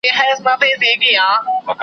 موږ ته ډک کندو له شاتو مالامال وي